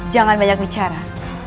jangan banyak bicara